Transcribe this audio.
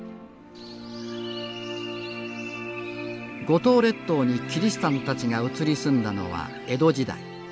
五島列島にキリシタンたちが移り住んだのは江戸時代。